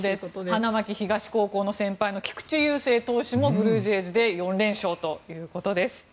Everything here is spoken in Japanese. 花巻東高校の先輩の菊池雄星投手もブルージェイズで４連勝ということです。